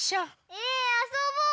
えあそぼうよ！